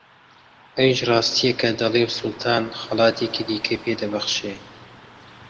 ئەویش ڕاستییەکە دەڵێ و سوڵتان خەڵاتێکی دیکەی پێ دەبەخشێ